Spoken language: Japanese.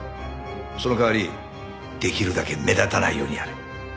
その代わりできるだけ目立たないようにやれ。